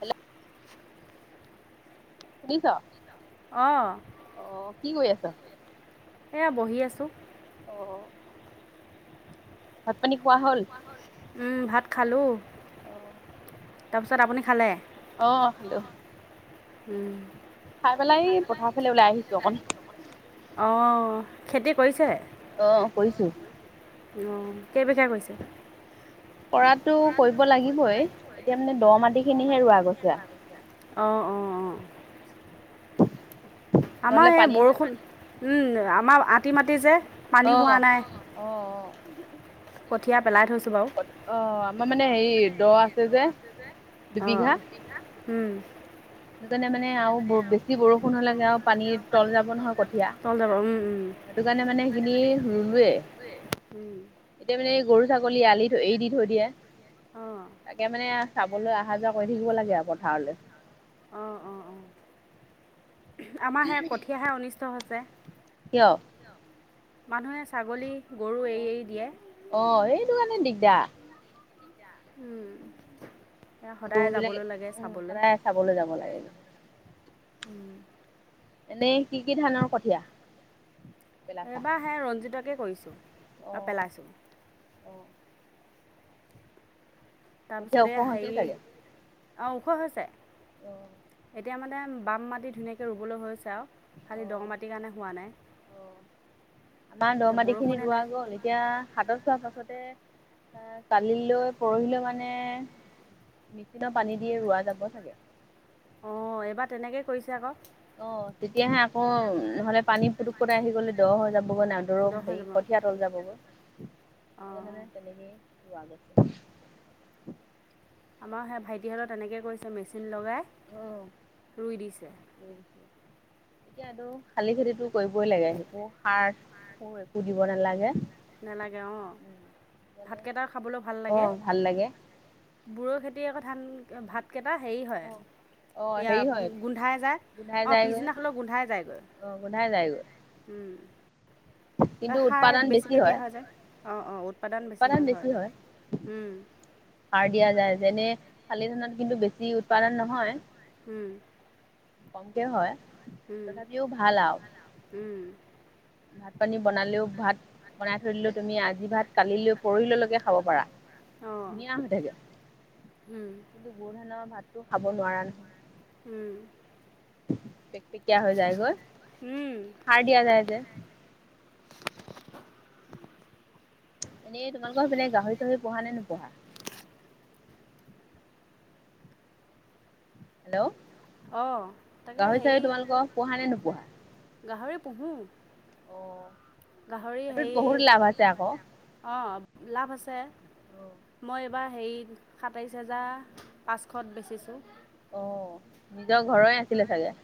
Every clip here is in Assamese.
হেল্ল' শুনিছ? অ', অ', কি কৰি আছ? এয়া বহি আছোঁ। অ', ভাত পানী খোৱা হল? উম, ভাত খালোঁ। অ', তাৰপিছত আপুনি খালে? অ', খালোঁ। উম, খাই পেলাই ই পথাৰ ফালে ওলাই আহিছোঁ অকণ। অ', খেতি কৰিছে? অ', কৰিছোঁ। অ', কেই বিঘা কৰিছে। কৰাতটো কৰিব লাগিবই, এতিয়া মানে দহ মাটি খিনিহে ৰুৱা গৈছো। অ', অ', অ', নহলে আমাৰ এ পানী বৰষুণ উম, আমাৰ আতি মাটি যে। অ পানী হোৱা নাই অ অ কঠীয়া পেলাই থৈছোঁ বাৰু। অ', আমাৰ মানে হেৰি দহ আছে যে। দুবিঘা অ', উম, সেইটো কাৰণে মানে আৰু বেছি বৰষুণ হলেগে আৰু পানী তল যাব নহয় কঠীয়া। তল উম, উম, অ', সেইটো কাৰণে মানে সেইখিনি ৰুলোৱেই। উম এতিয়া মানে এই গৰু ছাগলী আলি এৰি দি থৈ দিয়ে, অঁ তাকে মানে চাবলৈ আহা যোৱা কৰি থাকিব লাগে আৰু পথাৰলৈ। অ', অ', অ', আমাৰ সে কঠীয়াহে অনিষ্ট হৈছে। কিয়? মানুহে ছাগলী, গৰু এৰি এৰি দিয়ে। অ', সেইটো কাৰণে দিগদাৰ। উম, এয়া গৰু সদায় বিলাক যাবলৈ লাগে উম চাবলৈ। সদায় চাবলৈ যাব লাগিব। উম। এনেই কি কি ধানৰ কঠীয়া? পেলাইছা এইবাৰ সে ৰঞ্জিতকে কৰিছোঁ অ বা পেলাইছোঁ। অ'। কঠীয়া তাৰপিছতে ওখ হৈছে হেৰি চাগে অঁ ওখ হৈছে। অ'। এতিয়া মানে বাম মাটি ধুনীয়াকৈ ৰুবলৈ হৈছে আৰু, অ খালী দ মাটিৰ কাৰণে হোৱা নাই। অ আমাৰ দ এতিয়া মাটি খিনি বৰষুণে ৰোৱা নাই গ'ল, এতিয়া হাতত লোৱা পাছতে এ কালিলৈ পৰহিলৈ মানে মেচিনৰ পানী দিয়ে ৰোৱা যাব চাগে। অঁ এইবাৰ তেনেকেই কৰিছে আকৌ। অ' তেতিয়াহে আকৌ নহলে পানী পুটুককতে আহি গ'লে দ হৈ যাবগৈ না দ ৰ হৈ হেৰি যাব কঠীয়া তল যাবগৈ, সেইতো অঁ কাৰনেই তেনেকেই ৰোৱা গৈছে। আমাৰ সেই ভাইটিহঁতৰ তেনেকৈ কৰিছে মেচিন লগাই ৰুই দিছে। উম [unintelligible] এতিয়া এইটো শালি খেতিতো কৰিবই লাগে একো সাৰ সোৰ একো দিব নালাগে। নেলাগে অ' উম, মানে ভাতকেইটাও খাবলৈ ভাল লাগে। অ' ভাল লাগে। বড়ো খেতি আকৌ ধান ভাত কেইটা হেৰি হয় অ' এইয়া হেৰি হয় গোন্ধাই যায়, গোন্ধাই অঁ যায়গৈ পিছদিনা হ'লেও গোন্ধাই যায়গৈ। অ' গোন্ধাই যায়গৈ। উম। কিন্তু উৎপাদন সাৰ বেছি বেছিকৈ দিয়া হয় যে? অঁ অঁ উৎপাদন বেছি হয় হয়। উম। সাৰ দিয়া যে, যেনে শালি ধানত কিন্তু বেছি উৎপাদন নহয় উম। কমকে হয়। উম, তথাপিও ভাল আৰু। উম, ভাত পানী বনালেও ভাত বনাই থৈ দিলোও তুমি আজি ভাত কালিলৈ পৰহিললৈকে খাব পাৰা। অঁ ধুনীয়া হৈ থাকে উম, কিন্তু বড়োধানৰ ভাতটো খাব নোৱাৰা নহয়। উম। পেকপেকীয়া হৈ যায় গৈ, উম, সাৰ দিয়া যায় যে। এনেই তোলোকৰ সেই পিনে গাহৰি চাহৰি পোহা নে নোপোহা? হেল্ল' অঁ তাকে গাহৰি হেৰি চাহৰি তোমালোকৰ পোহা নে নোপোহা? গাহৰি পোহো। অ গাহৰি সেইটোত হেৰি বহুত লাভ আছে আকৌ অ' লাভ আছে। মই এইবাৰ হেৰি সাতাইছ হেজাৰ পাঁচশত বেচিছোঁ। অ' নিজৰ ঘৰৰে আছিলে চাগে?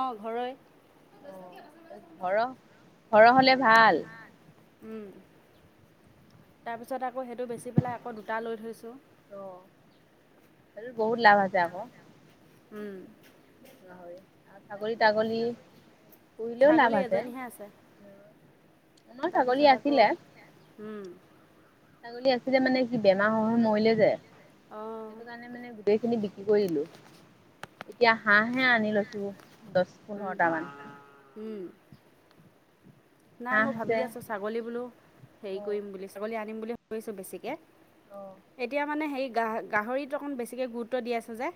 অ' ঘৰৰে। অ' ঘৰৰ ঘৰৰ হ'লে ভাল। ও' তাৰপিছত আকৌ সেইটো বেচি পেলাই আকৌ দুটা লৈ থৈছোঁ। অ' হেইতোট বহুত লাভ আছে আকৌ। উম। গাহৰি আৰু ছাগলী তাগলী পুহিলেও ছাগলী লাভ আছে। এজনীহে আমাৰ ছাগলী আছিলে উম। ছাগলী আছিলে মানে কি বেমাৰ হৈ হৈ মৰিলে যে, অঁ সেইটো কাৰণে মানে গোটেইখিনি বিক্ৰী কৰি দিলো, এতিয়া হাঁহহে আনি লৈছো দহ পোন্ধৰটামান। উম। নাই হাঁহ মই ভাবি আছে আছোঁ ছাগলী বোলো হেৰি অ কৰিম বুলি ছাগলী আনিম বুলি ভাবিছোঁ বেছিকৈ। অ এতিয়া মানে সেই গাহৰিত অকণ বেছিকে গুৰুত্ব দি আছো যে।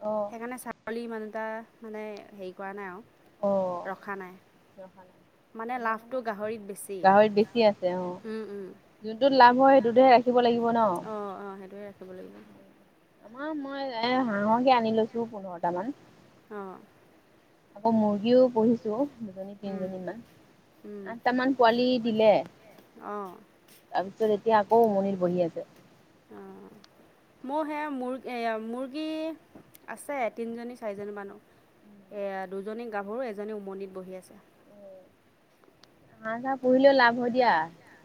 অ, সেইকাৰণে ছাগলী মানুহ এটা মানে হেৰি কৰা নাই অ আৰু ৰখা নাই। [unintelligible] মানে লাভটো গাহৰিত বেছি। যোনটো লাভৰ অ, অ, সেইটোয়ে ৰাখিব লাগিব। আম মই এ হাঁহকে আনি লৈছো পোন্ধৰটা মান। অ, আকৌ মুৰ্গীও পঢ়িছে। দুজনী তিনিজনী মান অঁ আঠটামান পোৱালি দিলে। অঁ তাৰপিছত এতিয়া আকৌ উমনিৰ বহি আছে। অঁ মোৰ সেয়া মুৰ্গী, মুৰ্গী আছে তিনিজনী চাৰিজনী মানৰ দুজনী গাভৰু এজনী উমনিত বহি আছে। হা, পহিলে। লাভ হয় দিয়া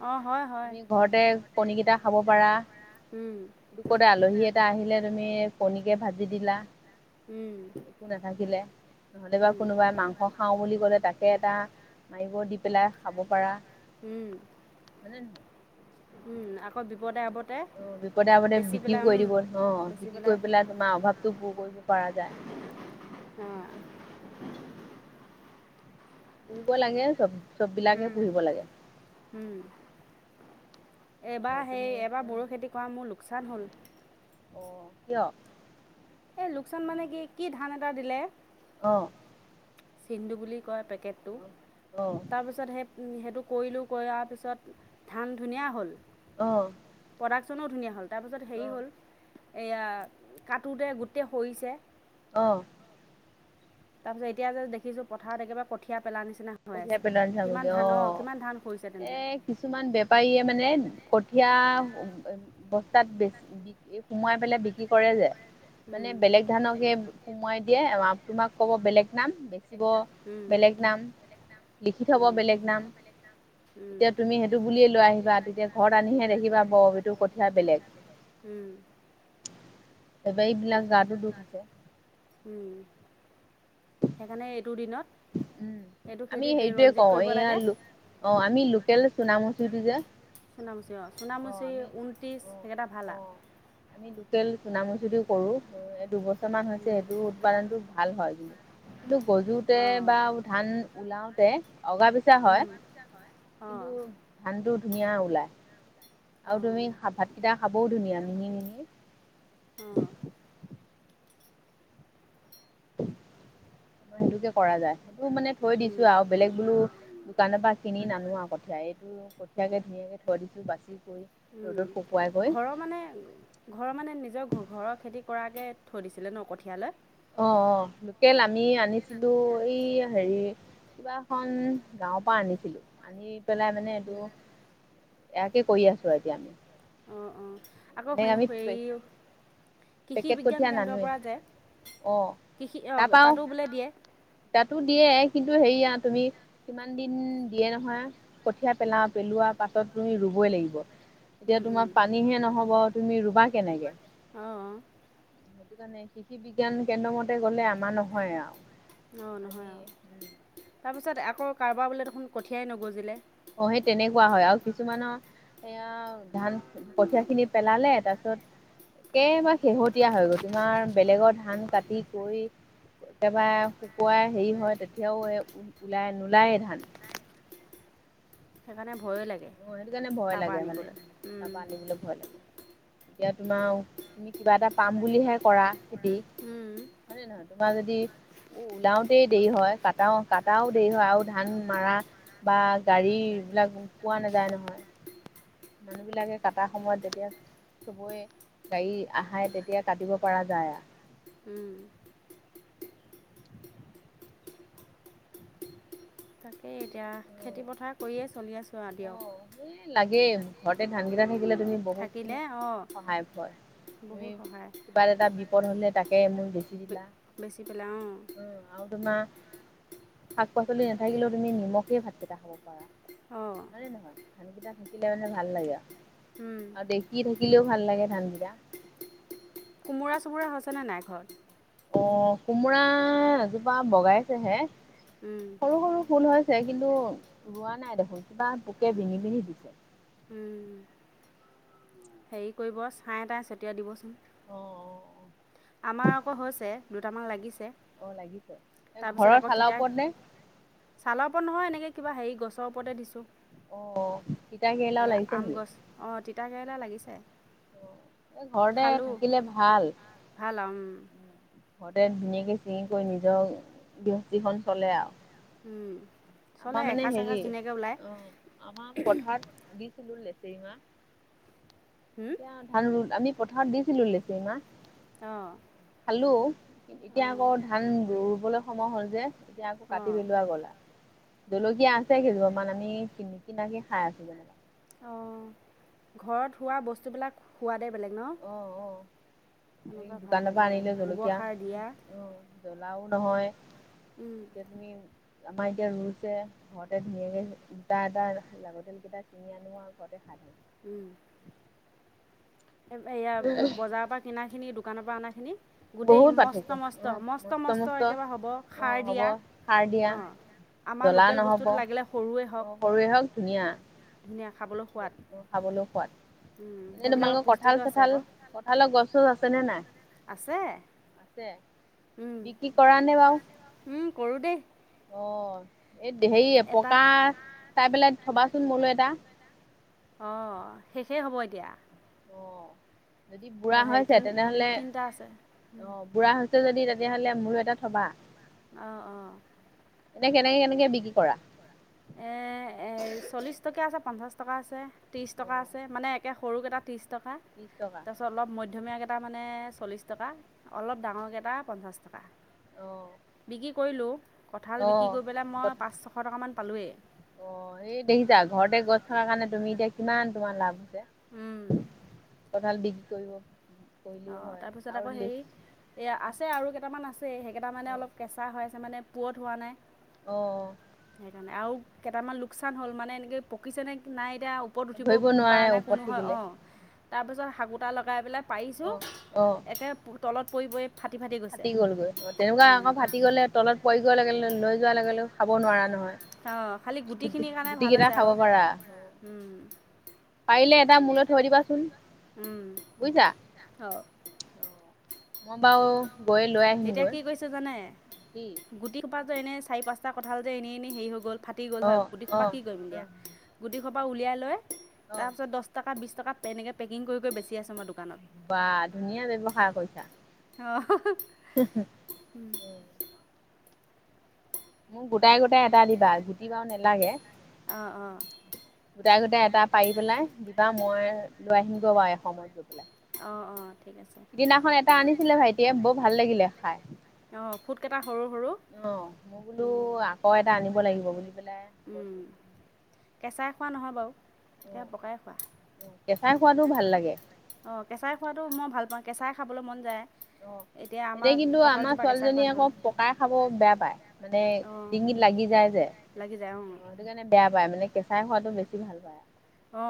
অঁ হয় হয় তুমি ঘৰতে কণীকেইটা খাব পাৰা। উম দুকতে, আলহী এটা আহিলে তুমি কণীকে ভাজি দিলা। উম, একো নাথাকিলে নহ'লে বা উম কোনোবাই মাংস। খাওঁ বুলি ক'লে তাকে এটা মাৰিব দি পেলাই খাব পাৰা। উম, হয়নে নহয় উম, আকৌ বিপদে আপ অ, বিপদে আপে বিক্ৰীও কৰি দিব ন বিক্ৰী কৰি পেলাই তোমাৰ অভাৱতটো পূৰ কৰিব পৰা যায়। অঁ পুহিব লাগে চ'ব চব বিলাকে উম পুহিব লাগে। উম, ঘৰত এইবাৰ সেই তুমি এবাৰ বড়ো খেতি কৰা মোৰ লোকচান হ'ল। অ, কিয়? এই লোকচান মানে কি কি ধান এটা দিলে। অ, চিংধু বুলি কয় পেকেটো, তাৰপিছত সেই সেইটো কৰিলোঁ কৰাৰ পিছত ধান ধুনীয়া হ'ল। অ, প্ৰডাকশ্যনো ধুনীয়া হ'ল তাৰপিছত হেৰি অ' হ'ল। এইয়া কাটোতে গোটেই সৰিছে। অ, তাৰ পিছত এতিয়া যে দেখিছো পথাৰত একেবাৰে কঠীয়া পেল নিচিনা হৈ কঠিয়াই আছে পেলোৱা নিচিনা কৰিছে কিমান ধান অ' কিমান ধান শইছে এ তেন্তে। কিছুমান বেপাৰীয়ে মানে কঠীয়া বস্তাত বেছি সোমাই পেলাই বিক্ৰী কৰে যে মানে উম, বেলেগ বেলেগ ধানকে সোমোৱাই দিয়ে তোমাক ক'ব বেলেগ নাম বেচিব বেলেগ নাম। বেলেগ নাম। লিখি থ'ব বেলেগ নাম এতিয়া তুমি সেইটো বুলিয়ে লৈ আহিবা তেতিয়া ঘৰত আনিহে দেখিবা ব টো কথাীয়া বেলেগ। উম, বেপাৰীবিলাক গাতো দুখ আছে উম, সেইকাৰণে এইটো দিনত। উম, এইটো আমি খেতিত সেইটোয়ে ৰঞ্জিত কওঁ কৰিব এয়া লাগে অ' আমি লোকেল চুনামচিটো যে চুনামুচি অ' অঁ চুনামুচি আমি ঊনত্ৰিছ অঁ সেইকেইটা ভাল আৰু। অঁ আমি লোকেল চুনামচদিও কৰো দুবছৰ মান হৈছে সেইটো উৎপাদনতটো ভাল হয়। কিন্তু গজোতে বা ধান, ওলাওতে অগা পিছা। উম, অ, ধান টো ধুনীয়া ওলাই। অ আৰু তুমি ভাতকেইটা খাবও ধুনীয়া মিহি মিহি। অ'। সেইটোকে কৰা যায় সেইটো মানে থৈ দিছো আৰু বেলেগ বোলো দোকানৰ পৰা কিনি নানো আৰু কঠীয়া এইটো কঠিয়াকে ধুনীয়াকে থৈ দিছো বাচি কৰি। উম ৰ'দত শুকুৱাই কৈ। ঘৰৰ মানে ঘৰৰ মানে নিজৰ ঘ ঘৰৰ খেতি কৰাকৈ থৈ দিছিলে ন কঠীয়ালে। অ', অ', লোকেল আমি আনিছিলো এইয়া হেৰি কিবা এখন গাঁৱৰ পৰা আনিছিলো আনি পেলাই মানে এইটো উম, এয়াকে কৰি আছোঁ এতিয়া আমি। অ', অ', আকৌ এনেই হেন আমি হেৰি কৃষি পেকেট বিজ্ঞান কঠীয়া কেন্দ্ৰৰ নানোৱে, পৰা যে অ', কৃষি তাৰপা আৰু তাতো বোলে দিয়ে। তাতো দিয়ে কিন্তু হেৰিয়া তুমি সিমান দিন দিয়ে নহয় কঠীয়া পেলাও পেলোৱা পাছত তুমি ৰুবই লাগিব। এতিয়া উম উম তোমাৰ পানীহে নহ'ব তুমি ৰুবা কেনেকে অঁ অঁ সেই কাৰণে কৃষি বিজ্ঞান কেন্দ্ৰ মতে গ'লে আমাৰ নহয় আৰু। অ', নহয় আমি উম। আৰু তাৰপিছত আকৌ কাৰোবাৰ বোলে দেখোন কঠীয়াই নগজিলে। অ', সেই তেনেকুৱা হয় আৰু কিছুমানৰ এ ধান কঠিয়া খিনি পেলালে তাৰপিছত একেবাৰে শেহতীয়া হৈ গ'ল তোমাৰ বেলেগৰ ধান কাটি কৰি একেবাৰে শুকুৱাই হেৰি হয় তেতিয়াও এই ওলাই নোলায়েই ধান। সেইকাৰণে ভয়ে লাগে। অ', সেইটো কাৰণে ভয় তাৰপৰা লাগে মানে আনিবলৈ উম তাপা আনিবলৈ ভয় লাগে। এতিয়া তোমাৰ তুমি কিবা এটা পাম বুলিহে কৰা খেতি। উম হয় নে নহয় তোমাৰ যদি উ ওলাওতেই দেৰি হয় কাটাও কাটাওতে দেৰি হয় আৰু ধান মাৰা বা গাড়ী বিলাক পোৱা নাযায় নহয়। মানুহ বিলাকে কাটা সময়ত যেতিয়া চবৈ গাড়ী আহে তেতিয়া কাটিব পৰা যায়। উম। এই এতিয়া আৰু খেতি পথাৰ কৰিয়েই চলি আছোঁ আৰু দিয়ক। এ লাগে ঘৰতে ধানকেইটা থাকিলে তুমি বহুতখিনি থাকিলে অঁ সহায় হয় তুমি বহুত সহায় কবাৰ এটা বিপদ হ'লে তাকে এমোন বেছি দিলা। বেচি পেলাই অ'। আৰু তোমাৰ শাক পাচলি নাথাকিলেও তুমি নিমখে ভাতকেইটা খাব পাৰা। অ'। হয়ানে নহয় ধানকেইটা থাকিলে মানে ভাল লাগে আৰু আৰু দেকী থাকিলেও ভাল লাগে ধানকেইটা। কোমোঁৰা চোমোৰা হৈছেনেে নাই ঘৰত। অ', কোমোৰা এজোপা বগাইছে হে সৰু সৰু ফুল কিন্তু ৰোৱা নাই দেখোন কিবা পোকে বিন্ধি পিন্ধি দিছে। হেৰি কৰিব ছাই তাই ছটিয়াই দিবচোন। অ', অ', অ'। আমাৰ আকৌ হৈছে। দুটামান লাগিছে। অ', লাগিছে এ তাৰপিছত ঘৰৰ আকৌ চালৰ তিতা ওপৰত নে। ছালৰ ওপৰত নহয় এনেকৈ কিবা হে গছৰ ওপতে দিছোঁ। অ', তিতা কেৰেলাও লাগিছে নেকি। অ', তিতা কেৰেলা লাগিছে। উম, ঘৰতে খালোঁ থাকিলে ভাল। [unintelligible] ঘৰতে ধুনীয়াকে ছিঙি কৰি নিজৰ গৃহস্থীখন চলে আৰু চলে, আমাৰ মানে এসাঁজ এসাঁজ হেৰি ধুনীয়াকৈ ওলায় অ আমাৰ পথাৰত দিছিলো নেচেৰি মাহ হুম, এ ধান আমি পথাৰত দিছিলো লেচি মা অ', খালো, এতিয়া আকৌ ধান ৰুবলৈ সময় হল যে তেতিয়া আকৌ কাটি অঁ পিন্ধোৱা গ'লা জলকীয়া আছে কেইযোপামান আমি কিন কিনাকি খাই আছো যেনিবা অ', ঘৰত হোৱা বস্তুবিলাক সোৱাদেই বেলেগ ন, অ', অ', তুমি এনেকুৱা ভাল দোকানৰ পৰা লাগে আনিলে জলকীয়া গোবৰ সাৰ দিয়া অ', জ্বলাও নহয়, উম, এতিয়া তুমি আমাৰ এতিয়া ৰুছে, ঘৰতে ধুনীয়াকৈ দুটা এটা লাগতালকেইটা ছিঙি আনো আৰু ঘৰতে সাতনো উম, এইয়া বজাৰৰ পৰা কিনাখিনি, দোকানৰ পৰা অনাখিনি গোটেই বহুত মস্ত পাৰ্থক্য, মস্ত অ', মস্ত ম্ত একেবাৰে হ'ব অ সাৰ হ'ব দিয়া সাৰ দিয়া অঁ আমাৰ জলা লোকেল বস্তুটো নহব, লাগিলে সৰুৱে হওক অ', সৰুৱ হওক ধুনীয়া ধুনীয়া খাবলৈ সোৱাদ অ', খাবলৈও সোৱাদ, উম, এনে সেইবিলাকত তোমালোকৰ ক কঠাল পুষ্টিকো আছে চঠাল আকৌ কঠালৰ গছছ আছেনে নাই আছে আছে উম, বিক্ৰী কৰা নে বও অ', উম, কৰোঁ দেই এই হেৰি এটা পকা চাই পেলাই থবাচোন মোলৈ এটা অ', শেষেই হ'ব এতিয়া অ', যদি বুঢ়া হেৰি হৈছে তিনি তেনেহলে তিনিটা আছে অ বুঢ়া হৈছে যদি তেতিয়াহ'লে মোৰো এটা থবা অ', অ', এনে, কেনেকে কেনেকে বিক্ৰী কৰা চল্লিছ টকীয়া আছে, পঞ্চাছ টকা আছে, ত্ৰিছ টকা অ' আছে মানে [unintelligible] ত্ৰিশ টকা অ' [unintelligible] [unintelligible] কৰিলো কঁঠাল বিক্ৰী অ'। অ' কৰি, পেলাই মই পাঁচ ছশ টকামান পালোৱেই অ', ই দেখিছা ঘৰতে গছ থকাৰ কাৰণে তুমি এতিয়া কিমান তোমাৰ লাভ কঠাল বিক্ৰী কৰিব কৰিলেও অ', হয় তাৰপিছত আৰু আকৌ হেৰি লিচ এইয়া আছে আৰু কেইটামান আছে, সেইকেইটামানে অ' অলপ কেঁচা হৈ আছে মানে পোৱত হোৱা নাই অ', সেইকাৰণে, আৰু কেইটামান লোকচান হ'ল মানে এনেকৈ পকিছেনে নাই এতিয়া ওপৰত উঠিব ধৰিব নোৱাৰে পৰা নাই ওপৰত কোনো হয় থাকিলে অ তাৰপিছত হাগোটা লগাই পেলাই পাৰিছোঁ, অ' অ'। একে তলত পৰিবই ফাটি গলগৈ অ, তেনেকুৱা আকৌ ফাটি গ'লে তলত পৰি গোৱা লেে লৈ যোৱা লে লগেও খাব নোৱাৰা নহয় অ', খালি গুটি গুটিখিনিৰ কাৰণে ভাল গুটিকেইটা হৈছে খাব পাৰা। আহ পাৰিলে এটা মূলৈ থৈ দিবাচোন বুজিছা অ', মই বাৰু, গৈ লৈ আহিম এতিয়া গৈ কি কৰিছে জানে কি গুটি খোপা যে এনে চাৰি পাঁচটা কঠাল যে এনেইনেই হেৰি হৈ গ'ল, ফাটি গ'ল হয় অ', গুটি খোপা অ'। অ', কি কৰিম দিয়া গুটিখৰ পৰা উলিয়াই লয় অ', তাৰপিছত দহ টকা বিছ টকা এনেকৈ, পেকিং কৰি বেচি আছোঁ মই দোকানত বা ধুনীয়া ব্যৱহাৰ কৰিছা অহ, [inaudible] [unintelligible] মোক গোটাই গোটাই এটা দিবা গুটিবা নালাগে। অ অ। গোটাই গোটাই এটা পাৰি পেলাই দিবা মই লৈ আহিমগৈ বাৰু এ সময়ত গৈ পেলাই। অ অ ঠিক আছে। সিদিনাখন এটা আনিছিলে ভাইটিয়ে বৰ ভাল লাগিলে খাই। অঁ ফুটকেইটা সৰু সৰু অ মোৰ বোলো আকৌ এটা আনিব লাগিব বুলি পেলাই কৈছো। কেঁচাই খোৱা নহয় বাৰু তাকে অ', পকাই খোৱা। কেঁচাই খোৱাতো ভাল লাগে। অঁ কেঁচাই খোৱাতটো মই ভাল পাওঁ। কেঁচাই খাবলৈ মন যায়। অ'। এতিয়া আমাৰ কিন্তু আমাৰ কঁঠালজোপা কেঁচাই খোৱা ছোৱালীজনীয়ে আকৌ নহয়। পকাই খাব বেয়া পায়, মানে অঁ ডিঙিত লাগি যায় যে। লাগি যায় অঁ সেইটো কাৰণে বেয়া পায়, মান কেচ খোৱাটো বেছি ভাল পায়। অ।